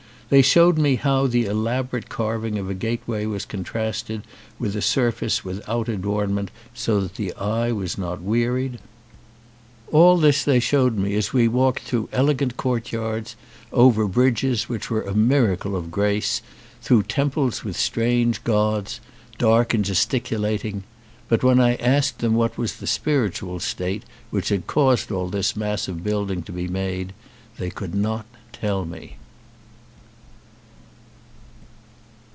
They showed me how the elaborate carving of a gateway was contrasted with a surface without adornment so that the eye was not wearied. All 221 ON A CHINESE SCREEN this they showed me as we walked through elegant courtyards, over bridges which were a miracle of grace, through temples with strange gods, dark and gesticulating; but when I asked them what was the spiritual state which had caused all this mass of building to be made, they could not tell me.